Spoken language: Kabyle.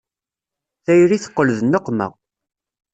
Tayri teqqel d nneqma.